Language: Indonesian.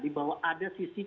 dibawa ada sisi pengawasan